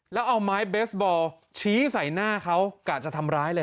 แล้วเอาไม้เบสบอลชี้ใส่หน้าเขากะจะทำร้ายเลย